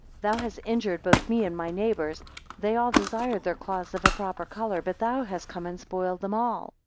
Thou hast injured both me and my neighbours; they all desired their cloths of a proper colour; but thou hast come and spoiled them all.